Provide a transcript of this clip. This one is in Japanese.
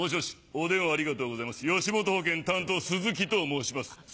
お電話ありがとうございます吉本保険担当スズキと申します。